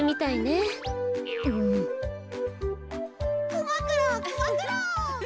くまくろうくまくろう！